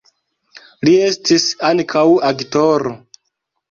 Li estis ankaŭ aktoro.